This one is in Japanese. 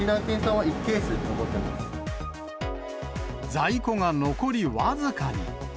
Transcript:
今、在庫が残り僅かに。